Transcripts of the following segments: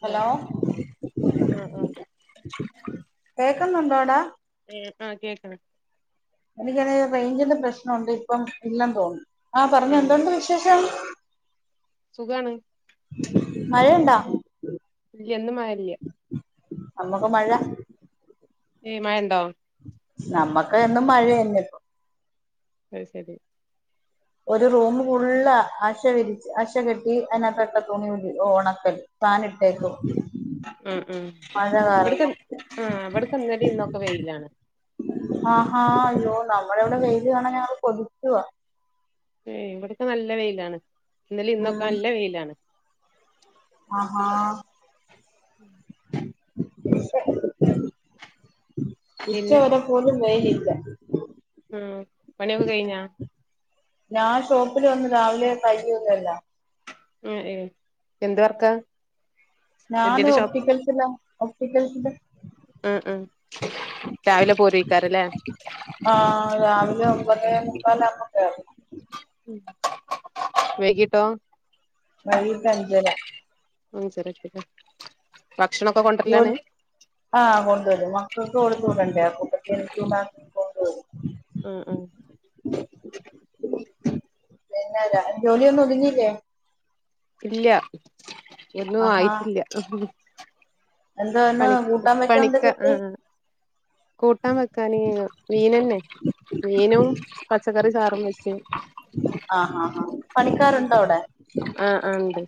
Hello ആഹ് ആഹ് കേക്കുന്നുണ്ടോടാ ഏഹ് ആഹ് കേക്ക്ണ് എനിക്കത് റേഞ്ചിന്റെ പ്രശ്നവുണ്ട് ഇപ്പം ഇല്ല തോന്നുന്നു ആഹ് പറഞൊ എന്തൊണ്ട് വിശേഷം സുഖാണ് മഴയ്ണ്ടാ ഇല്ല്യ ന്ന് മഴല്ല്യ നമ്മക്കും മഴ ഏഹ് മഴണ്ടോ നമ്മക്ക് എന്നും മഴയെന്നെപ്പം അഹ് ശരി ഒരു റൂമ് ഫുള്ള് അശ വിരിച്ച് അശ കെട്ടി അതിനകത്ത്ട്ട തുണി ഒണക്കല് ഉം ഉം മഴ ഇവ്ട്ക്ക് കാരണം ആഹ് ഇവ്ട്ക്ക്ന്നെലിം ഇന്നും ഒക്കെ വെയിലാണ് ആഹാ അയ്യോ നമ്മളവിടെ വെയില് കാണാ ഞങ്ങള് കൊതിക്കുവാ ഏയ് ഇവിടൊക്കെ നല്ല വെയിലാണ് ഇന്നലിം ഇന്നൊക്കെ ഉം നല്ല വെയിലാണ് ആഹാ ഉം പിന്നെ ഉച്ചവരെ പോലും വെയിലില്ല ഉം പണിയൊക്കെ കഴിഞ്ഞോ? ഞാൻ ഷോപ്പില് വന്ന് രാവിലെ കഴിയൊന്നില്ല ഉം ഏഹ് എന്ത് വർക്കാ ഞാന് എന്തിന്റെ ഷോപ്പ് ഒപ്റ്റിക്കൽസിലാ ഒപ്റ്റിക്കൽസിന്റെ ആഹ് ആഹ് രാവിലെ പോരോയ്ക്കാരം ല്ലേ ആഹ് രാവിലെ ഒമ്പതേ മുക്കാലാകുമ്പൊ കേറും ഉം വൈകിട്ടോ വൈകിട്ട് അഞ്ചര അഞ്ചരക്ക് ലേ ഭക്ഷണൊക്കെ കൊണ്ടരലാണ് ജോലി ആഹ് കൊണ്ടുവരും മക്കൾക്ക് കൊടുത്ത് വിടണ്ടേ ആ കൂട്ടത്തി എനിക്കുണ്ടാക്കി കൊണ്ടുവരും ഉം ഉം പിന്നെ ര ജോലിയൊന്നും ഒതുങ്ങിയില്ലേ ഇല്ല ഒന്നു ആയിട്ടില്ല എന്താന്ന് പണി കൂട്ടാൻ വെക്കാ എന്ത്‌ പണിക്ക കിട്ടി ആഹ് കൂട്ടാൻ വെക്കാന് മീനന്നെ മീനും പച്ചക്കറി ചാറും വെച്ച് ആഹ് ഹാ ആ പണിക്കാരുണ്ടോ അവിടെ? ആഹ് ആഹ് ണ്ട്.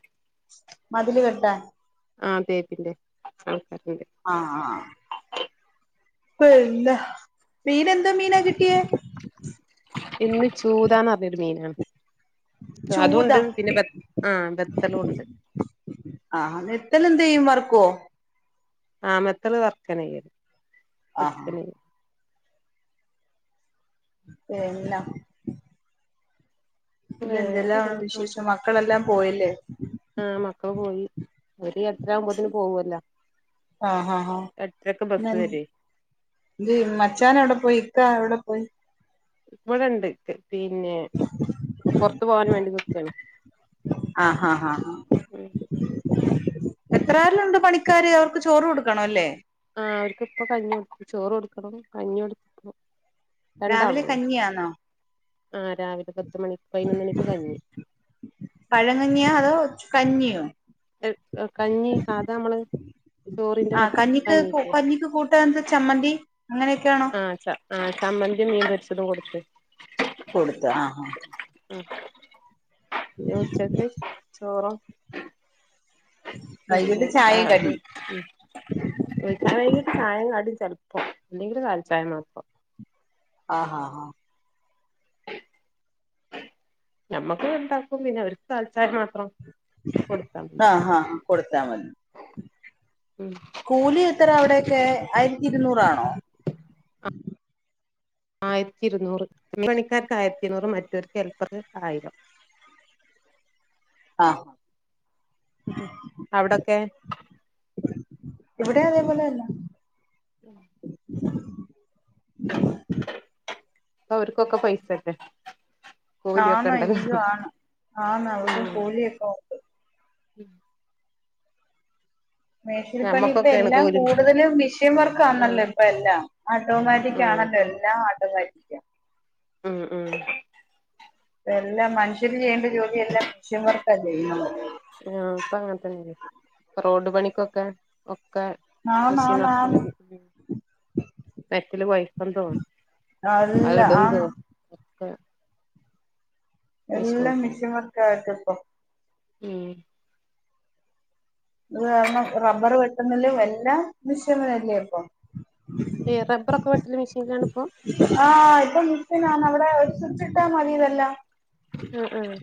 മതില് കെട്ടാൻ ആഹ് തേപ്പിന്റെ ആൾക്കാര്ണ്ട്. ആഹ് ആഹ് ആഹ് പിന്ന മീനെന്തോ മീനാ കിട്ടിയേ? ഇന്ന് ചൂതാന്ന് പറഞ്ഞൊരു മീനാണ്. തു ചൂത അതൂണ്ട് പിന്നെ ബ ബത്തലും ഉണ്ട്. ആഹ് നെത്തല് എന്ത് ചെയ്യും വറക്കോ? ആഹ്‌ മെത്തല് വർക്കന്നാ ചെയ്യാ. ആഹ് പൊരിക്കന്നാ ചെയ്യ എഹ് എല്ലാം പിന്നെ വേറെ ഇങ്ങനെ പോണ് എന്തെല്ലാവിശേഷം? മക്കളെല്ലാം പോയല്ലേ ആഹ് മക്കള് പോയി ഓര് എട്ടര ആകുമ്പോത്തിന് പോവല്ലോ ആഹ് ആഹ് ആഹ് എട്ടരക്ക് ബസ്സ് നൽ വരെ ന്തേ മച്ചാൻ എവിടെ പോയി? ഇക്കാ എവിടെ പോയി? ഇവിടെണ്ട് പിന്നെ പുറത്തു പോകാൻ വേണ്ടി നിക്കാണ് ആഹ് ആഹ് ആഹ്. ഉം എത്രാളുണ്ട് പണിക്കാര് അവർക്ക് ചോറ് കൊടുക്കണം ല്ലേ? ആഹ് അവർക്ക് ഇപ്പൊ കഞ്ഞി കൊടുത്തു. ചോറ് കൊടുക്കണം കഞ്ഞി കൊടുത്തിപ്പോ. രണ്ടാളെ രാവിലെ ഉള്ളൂ കഞ്ഞിയാന്നോ ആഹ് രാവിലെ പത്ത് മണി പതിനൊന്ന് മണിക്ക് കഞ്ഞി. പഴങ്കഞ്ഞിയാ അതോ കഞ്ഞിയോ? കഞ്ഞി സാദാ നമ്മള് ചോറിന്റെ വ കഞ്ഞില്ലെ പുട്ടിനെന്താ ചമ്മന്തി അങ്ങനെയൊക്കെയാണൊ? ആഹ് ച ആഹ് ചമ്മന്തിം മീൻ പൊരിച്ചതും കൊടുത്ത്. കൊടുത്തു ആഹ് ഉം പിന്നെ ഉച്ചക്ക് ചോറും പിന്നെ വൈകിട്ട് ആ ചായയും തും കടിയും ഉം ഓൽക്കാണെങ്കി ചായെം കടീം ചെൽപ്പം അല്ലെങ്കില് കാലി ചായ മാത്രം. ആഹ് ആഹ് ഹ ഞമ്മക്ക് ഉണ്ടാക്കും പിന്നെ അവർക്ക് കാലി ചായ മാത്രം. കൊടുത്താൽ മതി ആഹ് ആഹ് ഹ കൊടുത്താ മതി. ഉം കൂലി എത്രയാ അവിടെയൊക്കെ ആയിരത്തി ഇരുന്നൂറാണോ? ആയിരത്തി ഇരുന്നൂറ് മെയിൻ മണിക്കാർക്ക് ആയിരത്തി ഇരുന്നൂറ് മറ്റവർക്ക് ഹെൽപർക്ക് ആയിരം ആഹ് ഉംഹും അവിടൊക്കെ? ഇവിടെ അതേപോലെ തന്നാ. അപ്പ അവർക്കൊക്കെ പൈസ ല്ലെ ആന്ന് അയ്യോ ആണ് ആന്ന് അവർക്ക് കൂലിയിപ്പൊ ഉം മേശിരിപ്പണി ഇപ്പ ഞമ്മക്കൊക്കെയാണ് എല്ലാം കൂലി കൂടുതലും മിഷ്യൻ ഉം വർക്കാന്നല്ലോ ഇപ്പ എല്ലാം. ഓട്ടോമാറ്റിക് ഉം ആണല്ലോ എല്ലാം ഓട്ടോമാറ്റിക്കാ ഉം ഉം എല്ലാം മനുഷ്യര് ചെയ്യേണ്ട ജോലി എല്ലാം മിഷ്യൻ വർക്കാ ചെയ്യുന്നത്. ആഹ് ഇപ്പ അങ്ങനത്തന്നെ ഇപ്പ റോഡ് പണിക്കൊക്കെ ഒക്കെ ആന്ന് മെഷീൻ ആന്ന് ആന്ന് സ്പെഷ്യല് [unintelligible] അത് അല്ല ഇടും തോ ആന്ന് ഒക്കെ മെഷീൻ എല്ലാം തന്നെ മിഷേൻ വർക്ക് ആയിട്ട് ഇപ്പൊ ഉം അത് കാരണം റബ്ബർ വെട്ടുന്നേലും എല്ലാം മിശേങ്ങളല്ലേ ഇപ്പൊ ഈ റബ്ബറൊക്കെ വെട്ടല് മിഷേനാണ് ഇപ്പൊം ആഹ് ഇപ്പൊ മിഷേനാണ് അവിടെ ഒരു സ്വിച്ചിട്ടാ മതി ഇതെല്ലാം ആഹ് ആഹ്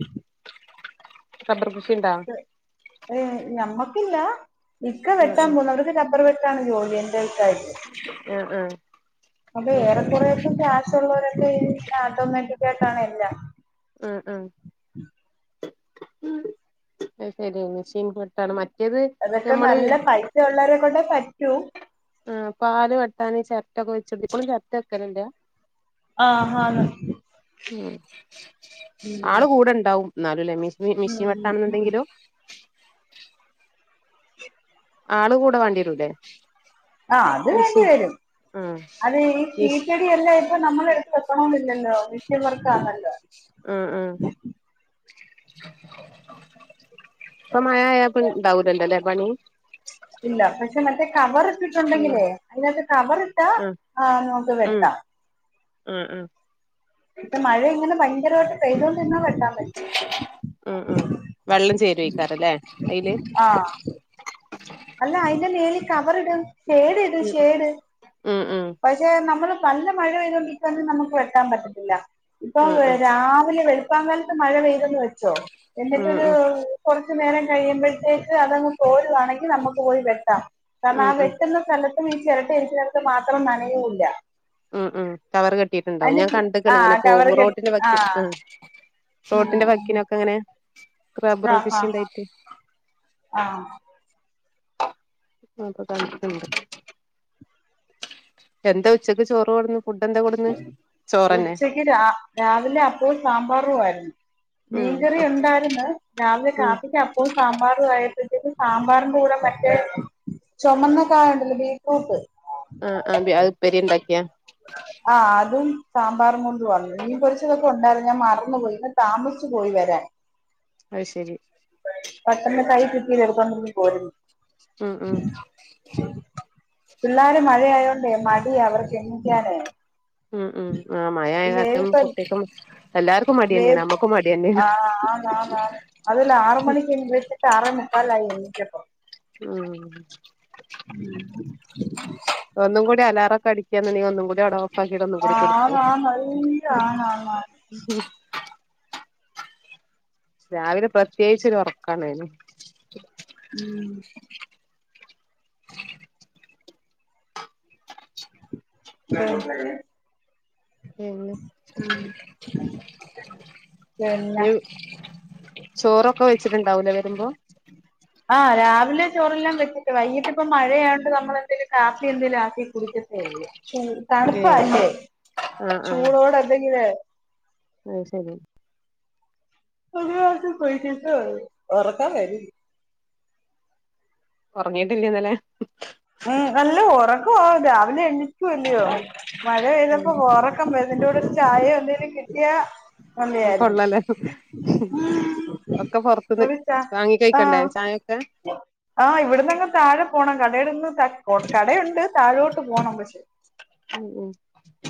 റബ്ബർ കൃഷി ഉണ്ടോ ഏഹ് ഞമ്മക്കില്ല ഇക്ക വെട്ടാൻ ആഹ് പോകുന്നു അവർക്ക് റബ്ബറ് വെ ട്ടാണ് ജോലി എന്റെ ഇക്കാക്ക് ആഹ് ആഹ് ആഹ് അപ്പൊ അത് ഏറെ ശരി കുറെയൊക്കെ കാശ് ശൊള്ളൊരൊക്കെ ഇങ്ങനെ ആട്ടോമറ്റിക്കായിട്ടാണ് എല്ലാം ഉം ഉം അത് ശരി മെഷീൻ കട്ടാണ് മ അതൊക്കെ നല്ല പൈസ ഉള്ളവരെ കൊണ്ടേ പറ്റൂ ആഹ് പാല് വെട്ടാന് ചിരട്ട [unintelligible] ഇപ്പൊ ഒന്നും ചിരട്ട വെക്കലില്ലാ ആഹ് ആന്ന് ഉം ഉം ആള് കൂടെ ഉണ്ടാവും എന്നാലും ല്ലേ മിശ് മി മിഷേൻ ഉം വെട്ടാണ് ഉം എന്നുണ്ടെങ്കിലോ ഉ ആള് കൂടെ വേണ്ടി വാരൂല്ലേ ആഹ് അത് വേണ്ടി വരും ആഹ് അത് ഈ മെഷീൻ ഷീറ്റടി [unintelligible] ഇപ്പൊ നമ്മളെ അടുത്ത് എത്തണോന്നില്ലല്ലോ മിഷേൻ വർക്കാണല്ലോ മ്ഹ് മ്ഹ് ഇപ്പൊ മഴ ആയാ ഇപ്പൊ ഇണ്ടാവൂലല്ലല്ലോ പണി ഇല്ല പക്ഷെ മറ്റേ കവർ ഇട്ടിട്ടൊണ്ടെങ്കിലേ അങ്ങനത്തെ കവറ് ആഹ് ഉം മ്ഹ് മ്ഹ് ഇപ്പ മഴ ഇങ്ങനെ ഭയങ്കരമായിട്ട് പെയ്തോണ്ടിരുന്നാ വെട്ടാൻ പറ്റില്ല ഉം ഉം വെള്ളം ചേരുവയ്ക്കാറൂല്ലേ അയില് ആഹ് അല്ല അതിന്റെ മേളിൽ കവർ ഇടും ഷേഡ് ഇടും ഉം ഷേഡ് ഉം ഉം പക്ഷെ നമ്മള് നല്ല മഴ പെയ്തുകൊണ്ടിരിക്കുവാണെങ്കി നമുക്ക് വെട്ടാൻ പറ്റത്തില്ല ഇപ്പൊ ഉം രാവിലെ വെളുപ്പാൻ കാലത്ത് മഴ പെയ്തെന്ന് വെച്ചോ ഉം എന്നിട്ടൊരു ഉം കുറച്ചു നേരം കഴിയുമ്പഴ്ത്തേക്ക് അതങ്ങ് തോരുവാണെങ്കി നമുക്ക് പോയി വെട്ടാം കാരണം ആ ഉം ഉം വെട്ടുന്ന സ്ഥലത്തും ഈ ചിരട്ട ഇരിക്കണടുത്തും മാത്രം നനയൂല ഉം ഉം കവറ് കെട്ടിയിട്ടുണ്ടാവും ഞാൻ ചു കണ്ടിക്കണ് ആ ഇങ്ങനെ കവറ് പോകുമ്പൊ കെട്ടി റോട്ടിന്റെ ആ വക്കിൽ ആഹ് ഉം റോട്ടിന്റെ ഉം വക്കിനൊക്കെ ഇങ്ങനെ റബ്ബറും കൃഷി ഉണ്ടായിട്ട് ആഹ് അപ്പൊ കണ്ടിട്ട്ണ്ട് എന്താ ഉച്ചക്ക് ചോറ് കൊടന്നു ഫുഡെന്താ കൊടു ഉച്ചക്ക് രാ രാവിലെ അപ്പോം സാമ്പാറുവായിരുന്ന് ഉം മീൻങ്കറി ഉണ്ടായിരുന്ന് രാവിലെ ഉം കാപ്പിക്ക് അ പ്പോം സാമ്പാറും ആയപ്പഴ്ത്തേക്കും സാമ്പാറിന്റെ കൂടെ മറ്റേ ചൊമന്ന കാ ഉണ്ടല്ലോ ബീറ്റ്റൂട്ട് ആഹ് ആഹ് ബി അത് ഉപ്പേരി ഉണ്ടാക്കിയാ ആഹ് അതും സാമ്പാറും കൊണ്ട് വന്ന് മീൻ പൊരിച്ചതൊക്കെ ഉണ്ടായിരുന്നു ഞാൻ മറന്ന് പോയി ഇന്ന് താമസിച്ച് പോയി വരാൻ അത് ശരി പെട്ടെന്ന് കൈ കിട്ടിയത് എടുത്തോണ്ടിങ്ങ് പോര് ഉം ഉം പിള്ളേർ മഴയയോണ്ടേ മടി അവർക്ക് എണിക്കാന് ഉം ഉം ആഹ് മഴായ കാരണം വേവിപ്പ കുട്ടിക്കും എല്ലാവർക്കും വേ ആഹ ആഹ് ആന്ന് ആന്ന് അതല്ല ആറ് മണിക്ക് ആറേ മുക്കാലായി എണീറ്റപ്പം ഉം ഉം ഒന്നും കൂടി അലാറൊക്കെ അടിക്കാന്നെങ്ക ഒന്നും കൂടി അട ഓഫ്‌ ആക്കീട്ട് ഒന്നും കൂടി കെടക്കും ആന്നാന്ന് നല്ല ആണാന്നാണ് രാവിലെ പ്രത്യേകിച്ചൊരൊറക്കാണേനും ഉം [unintelligible] പിന്നെ ഉം [unintelligible] ഇനി ചോറൊക്കെ വെച്ചിട്ടുണ്ടാവൂലേ വരുമ്പോ ആഹ് രാവിലെ ചോറെല്ലാം വെച്ചിട്ട് വൈകീട്ടിപ്പം മഴയായോണ്ട് നമ്മളെന്തെേലും കാപ്പി എന്തെലും ആക്കി കുടിക്കത്തേ ഉള്ളൂ ഏയ് തണുപ്പല്ലേ ആഹ് ആഹ് ചൂടോടെന്തെങ്കിലേ അത് ശരി [unintelligible] ഒറക്കം വരുണ്ട് ഒറങ്ങീട്ടില്ലെന്നലെ ഉം നല്ല ഉറക്കവാ രാവിലെ എണ്ണിക്കുവല്ലയോ മഴ പെയ്തപ്പോ ക്കം വരും ഇതിന്റെറെ കൂടെ ചായേ എന്തെങ്കിലും കിട്ടിയ കൊള്ളല്ലേ ഒക്കെ പൊറത്ത്ന്ന് ഒരു ചാ വാങ്ങി കഴിക്കണ്ടേ ആഹ് ചായ ക്കെ ആഹ് ഇവിടന്നങ്ങ് താഴെ പോണം കടയിടന്ന് കടയുണ്ട് താഴോട്ട് പോണം പക്ഷെ ഉം ഉം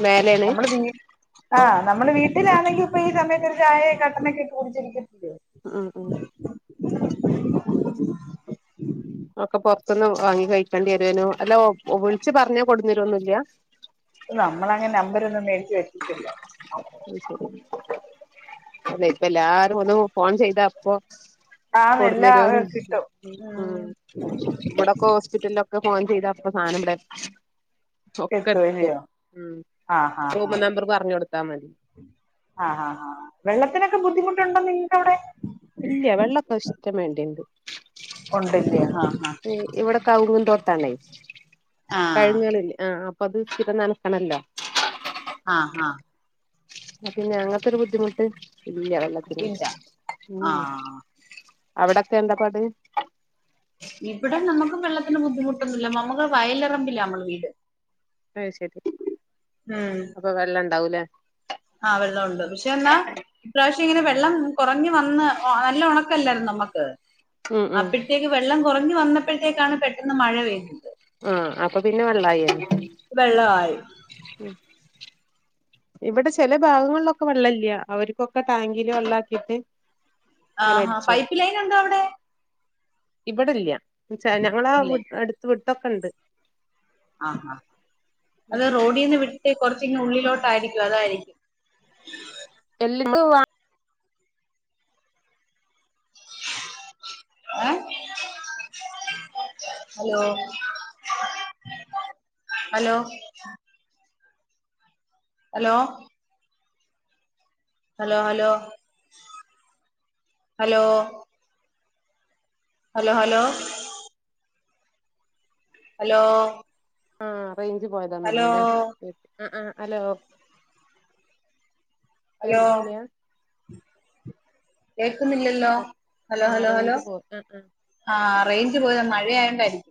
മേലേണ് നമ്മള് വീ ആഹ് നമ്മള് വീട്ടിലാണെങ്കി ഇപ്പൊ ഈ സമയത്തൊരു ചായേ കട്ടനൊക്കിട്ട് കുടിച്ചിരിക്കത്തില്ലേ ആഹ് ആഹ് ഒക്കെ പൊർത്ത്ന്ന് വാങ്ങി കഴിക്കേണ്ടി വരുവാനോ അല്ലോ വിളിച്ച് പർഞ്ഞാ കൊടുന്നേരൊന്നുല്ല നമ്മളങ്ങനെ നമ്പരൊന്നും മേടിച്ച് വ അയ് ശെരി അല്ലെ പ്പല്ലാരും ഒന്ന് ഫോൺ ചെയ്താ അപ്പൊ ആന്ന് എല്ലാ കൊട്ന്നെരാൻ കിട്ടും ഉം ആഹ് വടൊക്കോ സ്പിറ്റലൊക്കെ ഫോൺ ചെയ്താ അപ്പ സാനം ബടെ എത്തും ഒക്കെത്തും അല്ലയോ ഉം ആഹ് ഹാ ഹാ റൂമ് നമ്പർ പറഞ്ഞൊട്ത്താ മതി ആഹ് ആഹ് ആഹ് വെള്ളത്തിനൊക്കെ ബുദ്ധിമുട്ടുണ്ടോ നിങ്ങക്കവടെ ഇല്ലേ വെള്ളൊക്കിഷ്ടം വേണ്ടിണ്ട് ഉണ്ടില്ലേ ആഹ് ആഹ് ഇവിടെ കവുങ്ങിൻ തോട്ടാണേ ആഹ് പഴങ്ങൽ ആഹ് അപ്പത് നനക്കണല്ലോ ആഹ് ആഹ് അപ്പ പിന്നെ അങ്ങൻത്തൊരു ബുദ്ധിമുട്ട് ഇല്ല വെള്ളത്തിന് ഇല്ല ഉം ഉം ആഹ് അവിടൊക്കെ എന്താപ്പാട് ഇവിടെ നമ്മുക്കും വെള്ളത്തിന് ബുദ്ധിമുട്ടൊന്നുല്ല നമ്മള് വയലിറമ്പില്ലാ നമ്മൾ വീട് അയ് ശരി അപ്പൊ വെള്ളംണ്ടാവൂലേ ആഹ് വെള്ള ഉണ്ട് പക്ഷെ എന്നാ ഇപ്രാവശ്യം ഇങ്ങനെ വെള്ളം കുറഞ്ഞ് വന്ന് നല്ല ഉണക്കല്ലായിരുന്നു നമ്മുക്ക് ഉം ഉം അപ്പഴത്തേക്ക് വെള്ളം കുറഞ്ഞി വന്നപ്പഴത്തേക്കാണ് പെ ആഹ് അപ്പൊ പിന്നെ വള്ളായി വെള്ളായി ഉം ഇവിടെ ചെല ഭാഗങ്ങളിലൊക്കെ വെള്ളല്ല അവർക്കൊക്കെ ടാങ്കില് വെള്ളാക്കിയിട്ട് ആഹാ പൈപ്പ് ലൈൻ ഉണ്ടോ അവിടെ ഇവിടെല്ല ന്നച്ചാ ഞങ്ങളാ ഇല്ല അടുത്ത് വിട്ടൊക്കെണ്ട് ആഹ് ഹാ അത് റോഡീന്ന് വിട്ട് കൊർച്ചിങ്ങ് ഉള്ളിലോട്ടായിരിക്കും അതായിരിക്കും എല്ലതു ഏഹ് hello hello hello hello hello hello hello hello hello ആഹ് റേഞ്ച് ഹലോ പോയതാന്നോന്നിലെ ആ ആ ഹലോ ഹലോ കേൾക്ക്ണില്ലാ കേൾക്കുന്നില്ലല്ലോ ഹലോ ആ ഹലോ ഹലോ റേഞ്ച് പോ ആ ആ ആ റേഞ്ച് പോയതാ മഴയായോണ്ടായിരിക്കും